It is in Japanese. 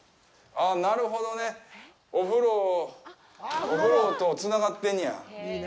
なるほどね。お風呂とつながってんねや。